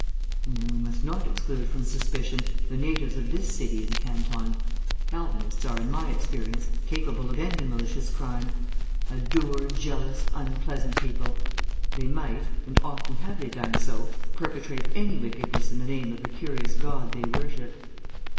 And then we must not exclude from suspicion the natives of this city and canton. Calvinists are, in my experience, capable of any malicious crime. A dour, jealous, unpleasant people. They might (and often have they done so) perpetrate any wickedness in the name of the curious God they worship."